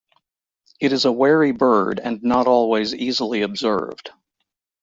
It is a wary bird and not always easily observed.